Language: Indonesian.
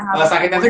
kalau sakitnya tuh